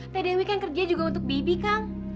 tdw kan kerja juga untuk bibi kang